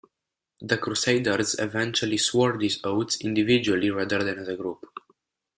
The Crusaders eventually swore these oaths, individually rather than as a group.